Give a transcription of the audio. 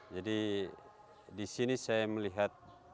jadi di sini saya melihat